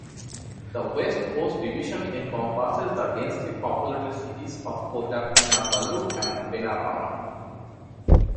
The West Coast Division encompasses the densely populated cities of Kota Kinabalu and Penampang.